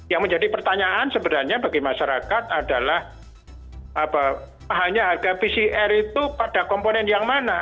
yang menjadi pertanyaan sebenarnya bagi masyarakat adalah hanya harga pcr itu pada komponen yang mana